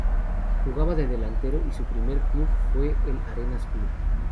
Jugaba de delantero y su primer club fue el Arenas Club.